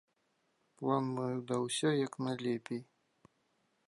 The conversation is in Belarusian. План мой удаўся як найлепей.